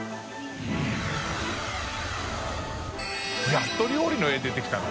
やっと料理の絵出てきたな。